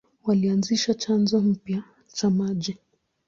Walianzisha chanzo mpya cha maji.